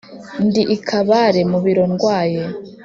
Ndi i Kabare mu biro ndwaye :